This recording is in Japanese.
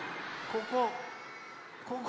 ここ。